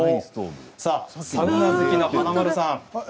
サウナ好きの華丸さん